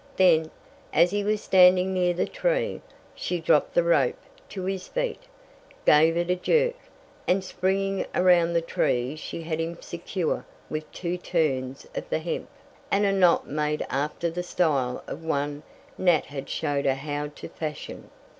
Then, as he was standing near the tree, she dropped the rope to his feet, gave it a jerk, and springing around the tree she had him secure with two turns of the hemp, and a knot made after the style of one Nat had showed her how to fashion.